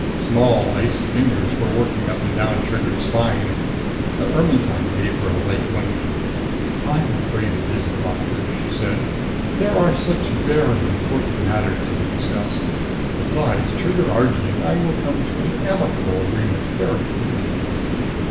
Small, icy fingers were working up and down Trigger's spine. The Ermetyne gave her a light wink. "I'm afraid it isn't, Doctor," she said. "There are such very important matters to be discussed. Besides, Trigger Argee and I will come to an amicable agreement very quickly."